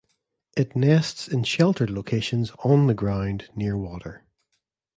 It nests in sheltered locations on the ground near water.